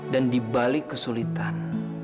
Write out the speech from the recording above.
dan dibalik kesulitan